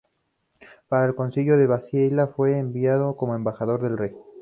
Para el Concilio de Basilea fue enviado como embajador del rey.